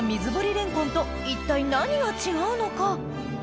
レンコンと一体何が違うのか？